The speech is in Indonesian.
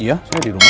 iya saya dirumah